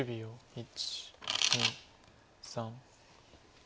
１２３。